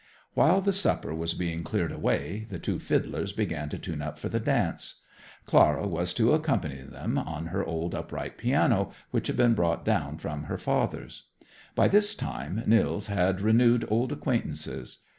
While the supper was being cleared away the two fiddlers began to tune up for the dance. Clara was to accompany them on her old upright piano, which had been brought down from her father's. By this time Nils had renewed old acquaintances.